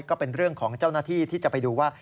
ก็เป็นเรื่องของเจ้าหน้าที่ที่จะไปดูว่า